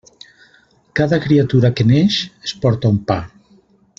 Cada criatura que neix es porta un pa.